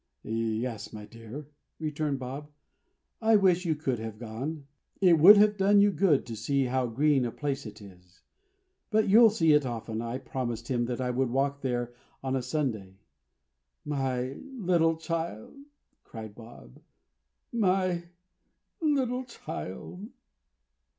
"Yes, my dear," returned Bob. "I wish you could have gone. It would have done you good to see how green a place it is. But you'll see it often. I promised him that I would walk there on a Sunday. My little, little child!" cried Bob. "My little child!"